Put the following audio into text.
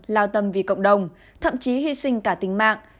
lao tâm vì cộng đồng thậm chí hy sinh cả tính mạng